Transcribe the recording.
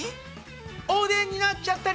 おでんになっちゃったり！